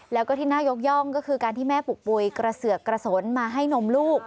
แล้วก็ที่น่ายกย่องก็คือการที่แม่ปลูกปุ๋ยกระเสือกกระสนมาให้นมลูก